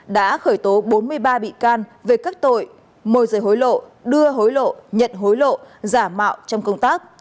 đã khởi tố bốn mươi ba bị can về các tội môi rời hối lộ đưa hối lộ nhận hối lộ giả mạo trong công tác